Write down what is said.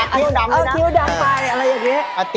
คิ้วดำไปอะไรอย่างนี้